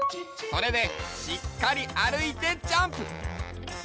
それでしっかりあるいてジャンプ！